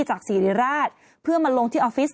จากศิริราชเพื่อมาลงที่ออฟฟิศ